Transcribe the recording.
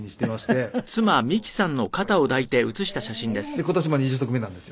で今年２０足目なんですよ。